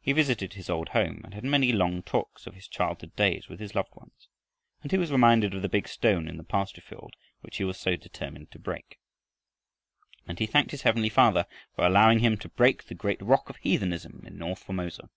He visited his old home and had many long talks of his childhood days with his loved ones. And he was reminded of the big stone in the pasture field which he was so determined to break. And he thanked his heavenly Father for allowing him to break the great rock of heathenism in north Formosa.